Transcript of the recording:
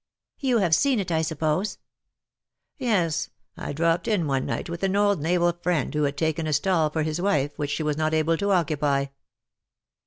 ''" You have seen it, I suppose."" '' YeSj I dropped in one night with an old naval friend, who had taken a stall for his wife, which she was not able to occupy."